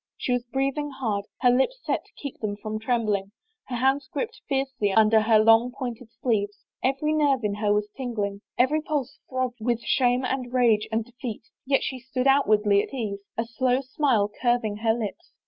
She was breathing hard, her lips set to keep them from trembling, her hands gripped fiercely under her long pointed sleeves. Every nerve in her was tingling, every pulse throbbed with shame and rage and defeat, yet she stood outwardly at ease, a slow smile curving her lips.